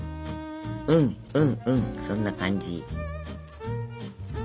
うんうんうんそんな感じ。